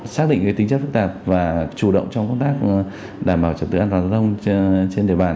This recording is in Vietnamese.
xác định tính chất phức tạp và chủ động trong công tác đảm bảo trật tự an toàn giao thông trên địa bàn